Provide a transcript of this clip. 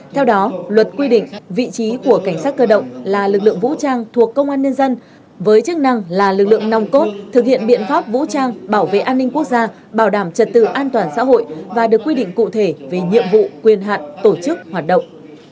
theo đó luật quy định vị trí của cảnh sát cơ động là lực lượng vũ trang thuộc công an nhân dân với chức năng là lực lượng nòng cốt thực hiện biện pháp vũ trang bảo vệ an ninh quốc gia bảo đảm trật tự an toàn xã hội và được quy định cụ thể về nhiệm vụ quyền hạn tổ chức hoạt động